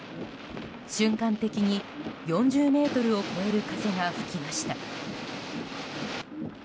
瞬間的に４０メートルを超える風が吹きました。